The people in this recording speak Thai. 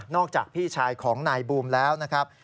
จากพี่ชายของนายบูมแล้วนะครับ